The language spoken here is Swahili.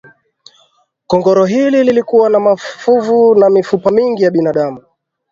korongo hili lilikuwa na mafuvu na mifupa mingi ya binadamu